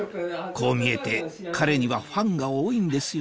こう見えて彼にはファンが多いんですよ